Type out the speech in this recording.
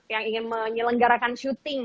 yang ingin menyelenggarakan shooting